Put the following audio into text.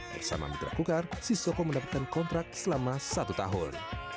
bersama mitra kukar sisoko mendapatkan kontrak selama satu tahun